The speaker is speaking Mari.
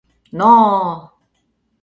Но-о-о!..